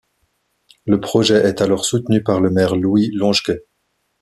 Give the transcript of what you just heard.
Le projet est alors soutenu par le maire Louis Longequeue.